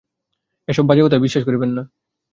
এ-সব বাজে কথায় বিশ্বাস করিবেন না।